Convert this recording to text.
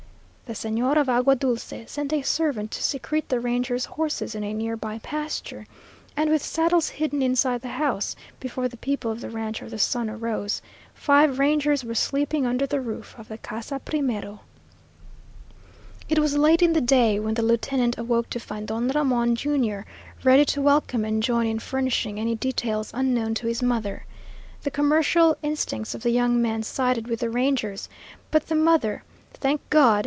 The señora of Agua Dulce sent a servant to secrete the Ranger's horses in a near by pasture, and with saddles hidden inside the house, before the people of the ranch or the sun arose, five Rangers were sleeping under the roof of the Casa primero. It was late in the day when the lieutenant awoke to find Don Ramon, Jr., ready to welcome and join in furnishing any details unknown to his mother. The commercial instincts of the young man sided with the Rangers, but the mother thank God!